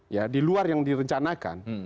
ya di luar yang direncanakan